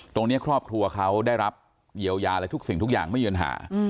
ครอบครัวเขาได้รับเยียวยาอะไรทุกสิ่งทุกอย่างไม่มีปัญหา